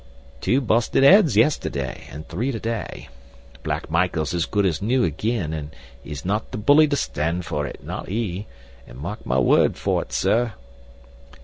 "Two busted 'eads yeste'day, an' three to day. Black Michael's as good as new agin an' 'e's not the bully to stand fer it, not 'e; an' mark my word for it, sir."